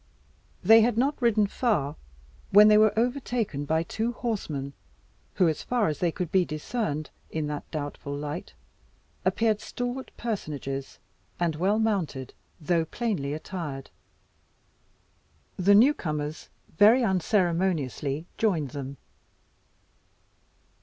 They had not ridden far, when they were overtaken by two horsemen who, as far as they could be discerned in that doubtful light, appeared stalwart personages, and well mounted, though plainly attired. The new comers very unceremoniously joined them.